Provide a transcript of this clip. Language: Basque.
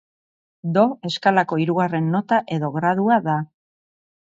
Do eskalako hirugarren nota edo gradua da.